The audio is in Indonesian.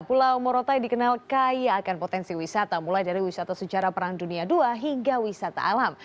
pulau morotai dikenal kaya akan potensi wisata mulai dari wisata sejarah perang dunia ii hingga wisata alam